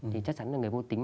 thì chắc chắn là người vô tính